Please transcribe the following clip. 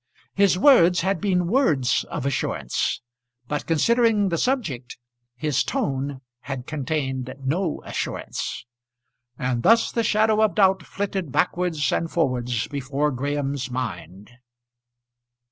His words had been words of assurance; but, considering the subject, his tone had contained no assurance. And thus the shadow of doubt flitted backwards and forwards before Graham's mind.